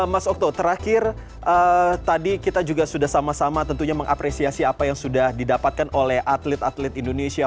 mas okto terakhir tadi kita juga sudah sama sama tentunya mengapresiasi apa yang sudah didapatkan oleh atlet atlet indonesia